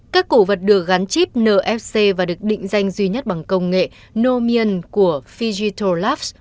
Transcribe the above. các cổ vật được gắn chip nfc và được định danh duy nhất bằng công nghệ nomion của fijito labs